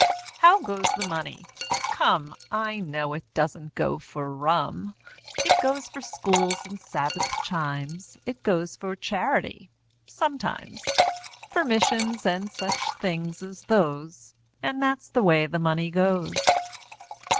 How goes the Money? Come, I know it doesn't go for rum; It goes for schools and sabbath chimes, It goes for charity sometimes; For missions, and such things as those, And that's the way the Money goes!